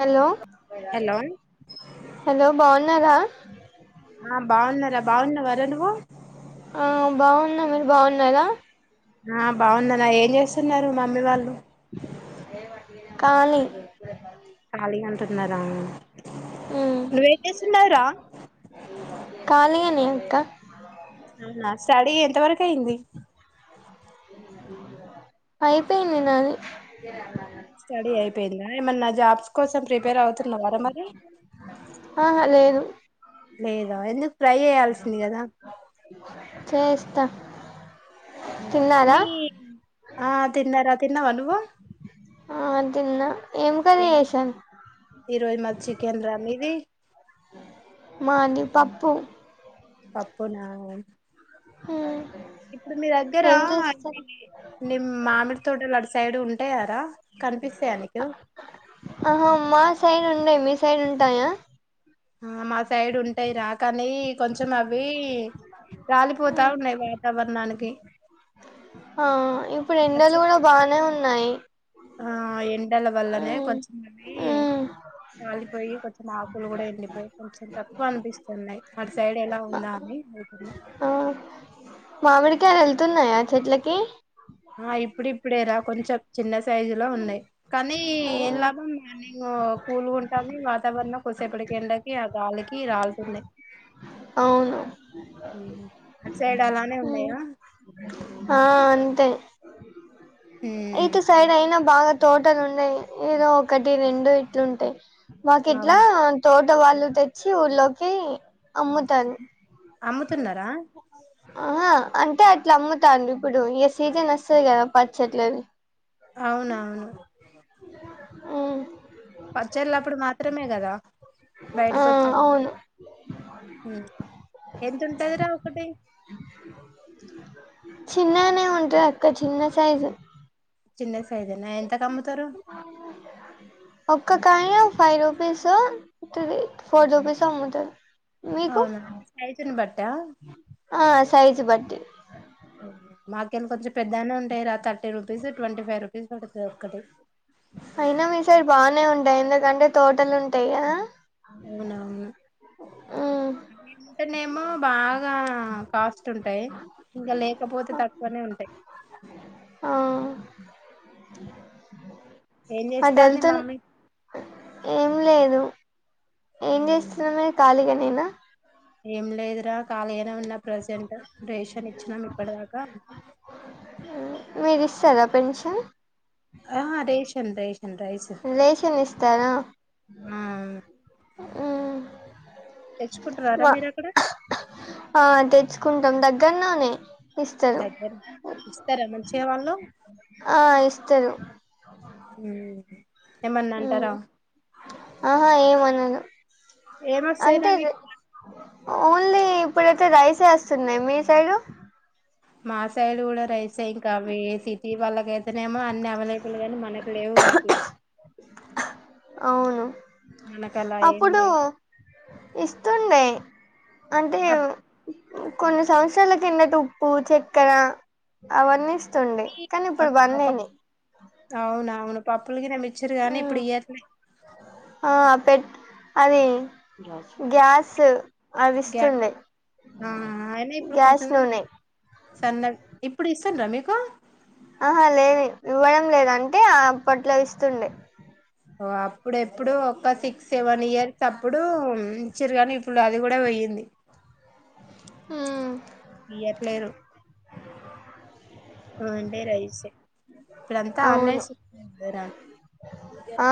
Hello hello hello బాగున్నారా బాగున్నవార నువ్వు ఆ బాగున్నా మీరు బాగున్నారా ఆ బాగున్నారా ఏం చేస్తున్నారు మమ్మీ వాళ్ళు కాలి ఖాళీగా అంటున్నారా నువ్వే చేస్తున్నావ్రా కాల్ ఇంకా స్టడీ ఎంత వరకు అయింది ఐపోయింది నాది స్టడీ అయిపోయిందా ఏమన్నా జాబ్స్ కోసం ప్రిపేర్ అవుతున్నవారా మరి ఆహా లేదు లేదా ఎందుకు ట్రై చేయయాల్సింది కదా త్త ఆ తిన్నారా తిన్నావా నువ్వు ఆ తిన్న ఈరోజు మది చికెన్ రా మీది మది పప్పు పప్పు నా ఉమ్ ఇప్పుడు మీ దగ్గరా ఏం ఇది చేస్తారు నిమ్ మామిడి తోటలు అటు సైడ్ ఉంటాయారా కనిపిస్తాయ నీకు ఆహా మా సైడ్ ఉండయి మీ సైడ్ ఉంటాయా ఆ మా సైడ్ ఉంటాయి రా కానీ కొంచెం అవి రాలిపోతా ఉన్నాయి వాతావరణానికి హా ఇప్పుడు ఎండలు వచ్చు కూడా బానే ఉన్ ఆ ఎండల వల్లనే ఉమ్ కొంచెమవి ఉమ్ రాలిపోయి కొంచెం ఆకులు కూడా వెళ్ళిపోయి కొంచెం తక్కు క్కువ అనిపిస్తున్నాయి అటు సైడ్ ఎలా ఉందా అని అడుగుతున్న ఆ మామిడికాయలు వెళ్తున్నాయా చెట్లకి ఆ ఇప్పుడిప్పుడే రా కొంచెం చిన్న సైజు లో ఉన్నాయి కానీ ఏం లాభం మార్నింగ్ గు కూలుగా ఉంటాంది వాతావరణం కొసేపటి ఎండకి ఆ గాలికి రాల్తున్నాయ్ అవును అటు సైడ్ అలానే ఉన్నాయా ఆ అంతే ఉమ్, ఇటు సైడ్ ఏం- అయినా బాగా తోటలు ఉన్నాయి ఏదో ఒకటి రెండు ఇట్లుంటాయి మాకు ఇట్ల అవును తోట వాళ్ళు తెచ్చి ఊర్లో కి అమ్ముతారు అమ్ముతున్నారా ఆ హా అంటే అట్లా అమ్ముతాండ్రు ఇప్పుడు ఇక సీజన్ వస్తుంది కదా పచ్చట్లేది అవునవును ఉమ్ వచ్చలప్పుడు మాత్రమే కదా ఆ బయటకి వచ్చాను అవును ఎందుంటది రా ఒకటి చిన్నగనే ఉంటది అక్క చిన్న సైజు చిన్నసాఇజేనా ఎంతకమ్ ఒక్క కాయిన్ ఫైవ్ రూపీస్ ఓ ఫోర్ రూపీసో అమ్ముతుంది మీకు అవునా సైజుని బట్టా ఆ సైజు బట్టి మాకెళ్ళ కొంచెం పెద్దనే ఉంటాయి రా thirty rupees twenty five rupees పడుతుది ఒక్కటి అయినా మీసైడ్ బానే ఉంటాయి ఎందుకంటే తోటలు ఉంటాయిగదా అవునవును ఉమ్ అంటేనేమో బాగా కాస్ ఉంటాయి ఇంకా లేకపోతే తక్కువనే ఉంటాయి ఆ ఏం అటు చేస్తాంది వెళ్తున్ మమ్మీ ఏం లేదు ఏం చేస్తున్న మీరు ఖాళీగా నేనా ఏంలేదుర కాళీగానే ఉన్నాం ప్రజెంట్ రేషన్ ఇచ్చినాం ఇప్పటిదాకా మీరు ఇస్తారా పెన్షన్ ఆ రేషన్ రేష్ రేషన్ ఇస్తారా ఆ మ్మ్ తెచ్చుకుంటున్నారా మా మీరు అక్కడ ఆ తెచ్చుకుంటాం దెగ్గర్లోనే దగ్గర ఇస్తారా మంచిగ వాళ్ళు ఆ ఇస్తరు ఉమ్ ఏమన్నాంటారా ఆహా ఎం అనరు ఎం ఒస్సాయ్ రా మీకీ ఓన్లీ ఇప్పుడైతే రైసే వస్తున్నాయి మీ సైడ్ మా సైడ్ కూడా రైస్ సే ఇంకావి సిటీ వాళ్ళకైతేనేమో అన్ని అవైలబుల్ గానీ మనకు లేవుగా అట్లా అవును మనకు అలా ఏం అప్పుడు లేదు ఇస్తుండే అంటే కొన్ని సంవత్సరాల కిందటి ఉప్పు చక్కెర అవన్న ఇస్తుండే కానీ ఇప్పుడు బంధాయినాయ్ అవున అవును పాప్పులకి న మిచ్చరు కానీ ఇప్పుడు ఏత్లే ఆ పెట్ అది గ్యాస్ అది గ్యా ఇస్తుండే అనా ఇప్పుడు గ్యాస్ కొంచం నూనె సందప్పు ఇప్పుడు ఇస్సుండ్రా మీకు ఆహా లేదు ఇవ్వడం లేదు అంటే అప్పట్లో ఇస్తుండే ఓ అప్పుడెప్పుడు ఒక సిక్స్ సెవెన్ ఇయర్స్ అప్పుడు ఇచిరుగాని ఇప్పుడు అది కూడా పోయింది మ్మ్ ఇయ్యట్లేరు ఓన్లీ రైస్ ఇప్పుడంతా ఆన్లైన్ అవును గదార ఆ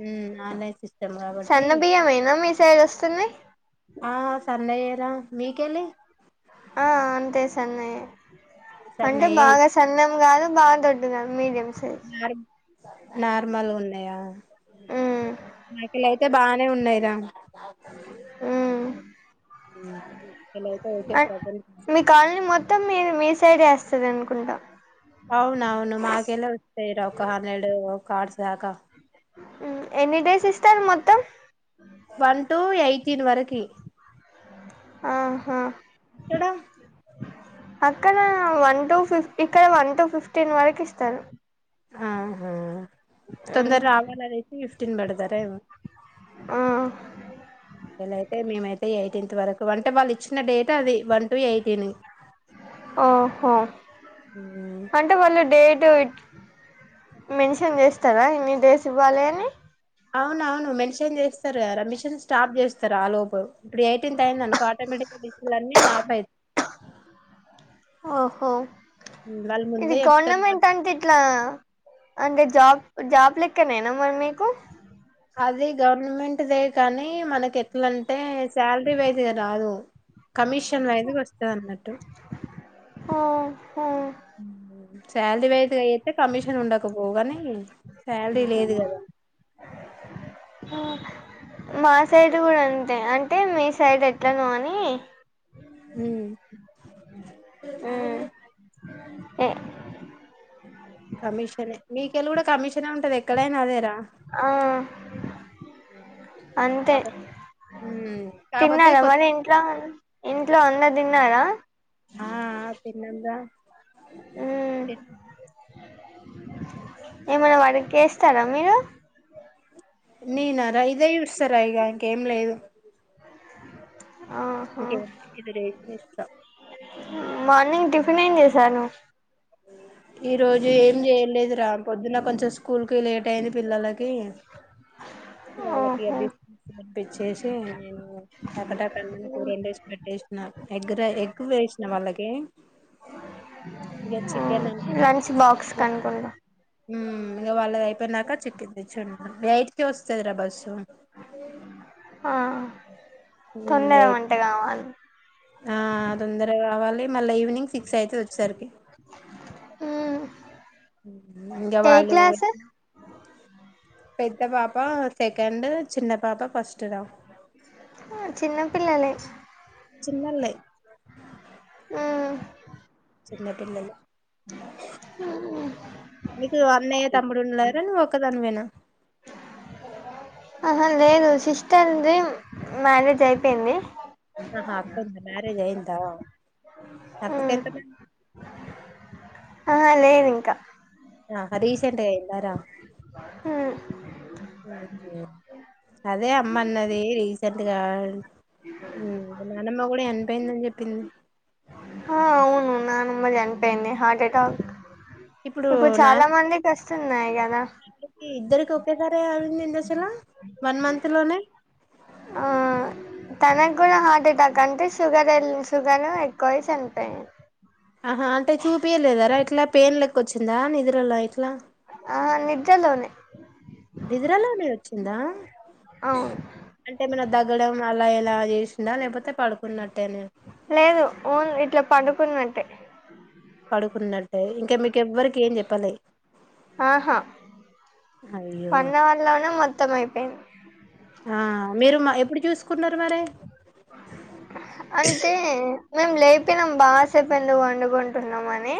మ్మ్ ఆన్లైన్ సిస్టం సన్న బియ్యమేనా మీ సైడ్ వస్తున్నాయ్ ఆ సన్నయేరా మీకలి ఆ అంతే సన్నయ అంటే సన్నయే బాగా సన్నం కాదు బాగా దొడ్డుగా మీడియం సైజ్ నార్ నార్మల్ ఉన్నాయా ఉమ్ మాకులయితే అ బానే ఉన్నాయిరా మాకెళ్ళైతే ఓకే అ ప్రజెంట్ మీ కాల్ని మొత్త్ మొత్తం మీ మీ సైడ్ ఎస్తది అనుకుంట అవునవును మాకెల్లా వస్తస్తాయిరా ఒక హండ్రెడ్ కార్డ్స్ దాకా ఎన్ని డేస్ ఇస్తారు మొత్తం వన్ టు ఎయిటీన్ వరకి ఆహా ఎక్కడ అక్కడ వన్ టు ఫిఫ్ ఇక్కడ వన్ టు ఫిఫ్టీన్ వరకు ఇస్తారు ఆహా తొందర రావాలదైతే నిఫ్టీన్ బడతారెమో అలయితే మేమైతే ఎయిటీన్త్ వరకు అంటే వాళ్ళు వచ్చిన డేట్ అది వన్ టు ఎయిటీన్ ఓహో అంటే వాళ్ళు డేట్ ఇటు మెన్షన్ చేస్తారా ఇన్ని డేస్ ఇవ్వాలి అని అవున అవును మెన్షన్ చేస్తారు గదా ర మిషన్ స్టాప్ చేస్తారు ఆ లోప ఇప్పుడు ఎయిటీన్త్ అయింది అనుకో ఆటోమేటిక్గా డిస్పిల్ అన్నీ ఆఫ్ అయితాయి ఓహో ఇది ముందే చెప్తారు గవర్నమెంట్ అంటే ఇట్లా అంటే జాబ్ జాబ్ లెక్కనేనా మరి మీకు అది గవర్నమెంట్ దే కానీ మనకి ఎట్లాంటే శాలరీ వైజ్గా రాదు కమిషన్ వైదుగా వస్తది అన్నట్టు ఆ ఆ శాలరీ వైదుగా అయితే కమిషన్ ఉండకపోవు గాని శాలరీ లేదు కదా మా సైడ్ కూడా అంతే అంటే మీ సైడ్ ఎట్లనో అని ఉమ్ ఏ కమిషన్ మీకెళ్ళ కూడా కమిషనే ఉంటది ఎక్కడైనాదేరా ఆ ఓ అంతే ఉం తిన్నారా మరి ఇంట్ల ఆ ఇంట్ల అందరూ తిన్నారా హా తీన్ ఏమనా వర్క్ చేస్తారా మీరు నేనర ఇదే చూస్తారా ఇగ ఇంకేం లేదు. ఆహా ఇంకేం ఇది రేషన్ ఇస్తా మార్నింగ్ టిఫిన్ ఏం చేశారు ఈ రోజు ఏం చేయలేదు రా పొద్దున కొంచెం స్కూల్కి లేట్ అయింది పిల్లలకి వాళ్ళకి ఓహో బిస్కెట్స్ కొనిపించేసి నేను టక టక అన్నం కూర వండేస్ పెట్టేసిన ఎగ్ర ఎగ్గు వేసిన వాళ్ళకి ఇగ చికెన్ లంచ్ బాక్స్ కనుకుంటా ఇగా వాళ్ళది అయి పోయినాక చిక్కిన్ తెచ్చి వండినం ఎయిట్ కే వస్తదిరా బస్సు ఆ తొందర వంట కావాలి ఆ తొందర కావాలి మళ్ళా ఈవినింగ్ సిక్స్ అయితది వచ్చేసరికి మ్మ్ ఇంకా ఏ వాళ్ళు క్లాస్ పెద్ద పాప సెకండ్ చిన్న పాప ఫస్ట్ రా చిన్న పిల్లాలే చిన్నోల్లె మ్మ్ చిన్న పిల్లలే నీకు అన్నయ్య తమ్ముడు ఉన్న డార నువ్వు ఒదానివనా ఆహా లేదు సిస్టర్ది మ్యారేజ్ అయిపోయింది. ఆహా అక్కంద మ్యారేజ్ అయియందా అక్కకి ఎంత మంది ఆ లేదు ఇంకా ఆ రీస్ సెంట్ గ అయ్యింద రా మ్మ్ అదే అమ్మ అన్నది రీసెంట్ గా నానమ్మ గూడా ఎన్పోయిందని జెప్ తిన్ హా అవును నానమ్మ జనిపోయింది హార్ట్ అటాక్ ఇప్పుడు చాలా మందికి వస్తున్నాయి కదా వాడికి ఇద్దరికి ఒకేసారి అవ్వి దేంది అసల వన్ మంత్ లోనే ఆ తనకు కూడా హార్ట్ అటాక్ అంటే షుగర్ షుగర్ ఎక్కువ చనిపోయింది ఆహా అంటే చూపియలేదరా ఇట్లా పెయిన్ లెక్క వచ్చిందా నిద్రలో ఇట్లా ఆ నిద్రలోనే నిదరలోనే వచ్చిందా అవును అంటే మనం దగ్గడం అలా ఎలా లేసిదా లేకపోతే పడుకున్నట్టే న కున్నట్టే పడుకున్నట్టే ఇంకా మీకు ఎవ్వరికి ఏం జెప్పాలే వన్ అవర్ లోనే మొత్తం అయిపోయింది ఆ మీరు మా ఎప్పుడు చూసుకున్నారు మరి అంటే మేము లేపినాం బాసేపన్లు వండుకుంటున్నామని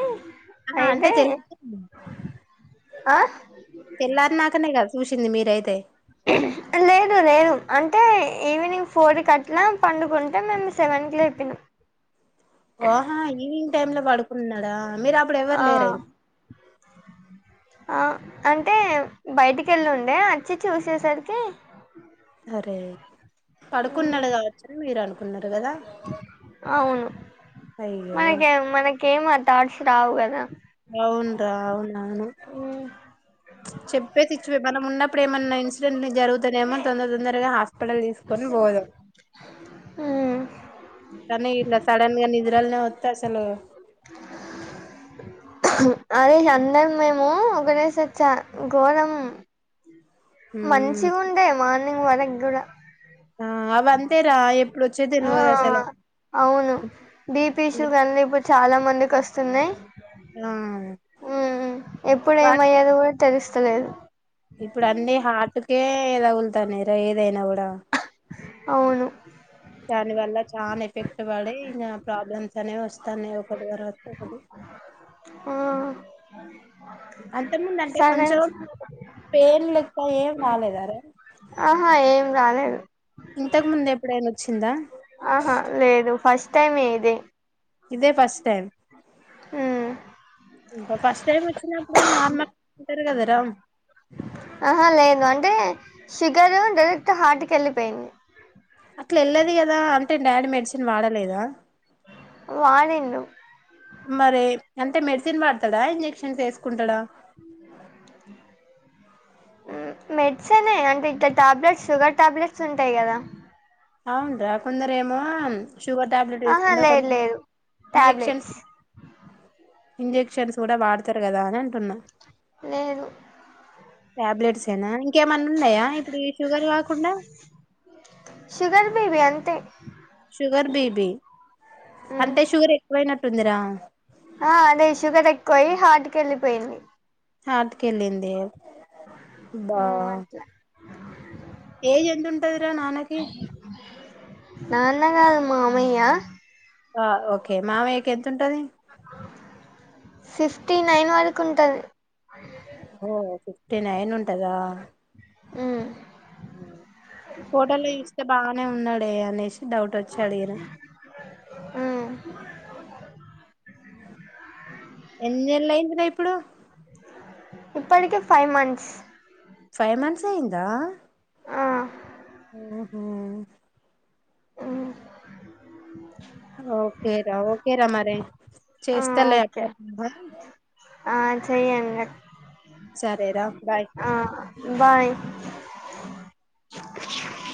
ఆహా అంటే తెల్లారింద ఆ తెల్లారి నాకనే కదా చూసింది మీరైతే లేదు లేదు అంటే ఈవినింగ్ ఫోర్ కట్లా పండుకుంటే మేము సెవెన్ కి లేపినాం ఓహా ఈవినింగ్ టైమ్ లో పడుకుంటున్నాడా మీరు అప్పుడు ఎవ్వరు ఆ లేరైన ఆ అ టే బయటికి ఎళ్ళుండే వచ్చి చూసేసరికి అరే పడుకున్నాడు గావచ్చను మీరు అనుకున్నారు కదా అ అయ్యో మనకె మనకెం థాట్స్ రావు కదా అవును రావు నాను ఉమ్, చెప్పేసిచ్చ్ వే మనం ఉన్నప్పుడు ఏమన్నా ఇన్సిడెంట్ జరుగుత్ తనేమో తొందర తొందరగా హాస్పిటల్ తీసుకొని పోదుం ఉమ్. తనే ఇల్ల సడన్గా నిద్రల్నే తెసలు ఆ రోజ్ అందరం మేము గనేసి వచ్చా ఘోరం ఉమ్ మంచి గ ఉండే మార్నింగ్ వరకు గూడా ఆ అవంతేరా ఆ అవును బిపిషుగర్ ఇప్పుడు చాలా మ దికి వస్తున్నాయి ఆ ఎప్పుడు వాటి ఏమయ్యారు కూడా తెల్సు తలేదు ఇప్పుడు అన్నీ హార్టుకే ఎ తగులుతన్నయ్ ఏదైనా గూడా అవును దాని వల్ల చాలా ఎఫెక్ట్ పడి ఇంక ప్రాబ్లమ్స్ అనేవి వస్తన్నాయి ఒకటి తర్వాత ఒకటి అ ఆ అంతముందు అంటే సడన్ కొంచెం పెయిన్ లెక్క ఏం రాలేదారా ఆహా ఏం రాలేదు ఇంతకు ముందు ఎప్పుడైనా వచ్చిందా ఆహా లేదు ఫస్ట్ టైం ఏ ఇది ఇదే ఫస్ట్ టైం ఉమ్ ఇకా ఫస్ట్ టైం వచ్చినప్పుడు నార్మ ఉంటారు కదరా ఆహా లేదు అంటే షుగరు డైరెక్ట్ హార్ట్ క వెళ్ళిపోయింది దా అంటే డాడీ మెడిసిన్ వాడలేదా వాడిండు మరి అంటే మెడిసిన్ వాడతాడా ఇంజక్షన్స్ వేసుకుంటాడా మెడిసిన్ అంటే ఇద్దరు టాబ్లెట్స్ షుగర్ టాబ్లెట్స్ ఉంటాయి కదా అవును కొందరు ఏమో షుగర్ టాబ్లెట్ ఆహా వేసుకున్నారు లేదు కొందరు లేదు ఇంజక్షన్స్ టాబ్లెట్స్ ఇంజక్షన్స్ కూడా వాడతారు కదా అని అంటున్నా లేదు టాబ్లెట్స్ ఏనా ఇంకేమన్నా ఉన్నాయా ఇప్పుడు షుగర్ కాకుండా షుగర్ బీపీ అంతే షుగర్ బీపి ఉమ్. అంటే షుగర్ ఎక్కువయినట్టు ఉందిరా ఆ అదే షుగర్ ఎక్కువయి హార్ట్ క వెళ్ళిపోయింది హార్ట్ కీ వేలింది అబ్బా ఉమ్, అట్లా ఏజ్ ఎంత ఉంటదిరా నాన్న కీ నాన్న కాదు మామయ్యా ఆ ఓకే మామయ్యకి ఎంత ఉంటది ఫిఫ్టీ నైన్ వరకు ఉంటుంది ఓ ఫిఫిటినైన్ ఉంటాద మ్మ్ ఫోటోలో చూస్తే బానే ఉన్నాడే అనేసి డౌట్ వచ్చి అడిగిన మ్మ్ ఎన్ని నెల్ల అయింది రా ఇప్పుడు ఇప్పటికి ఫైవ్ మంత్స్ ఫైవ్ మంత్స్ అయిందా ఆ ఆ హా ఉ ఓకేరా ఓకేరా మరి ఆ చేస్తలే ఓకే అట్లా ఆ చెయ్యంగా సరేరా బాయ్ ఆ బాయ్ [inaudible]